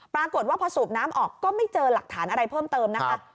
ปรากฏว่าพอสูบน้ำออกก็ไม่เจอหลักฐานอะไรเพิ่มเติมนะคะ